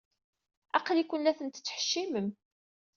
Aql-iken la tent-tettḥeccimem.